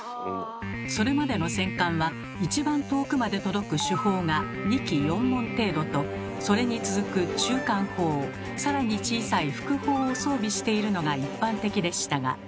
それまでの戦艦は一番遠くまで届く主砲が２基４門程度とそれに続く中間砲さらに小さい副砲を装備しているのが一般的でしたが。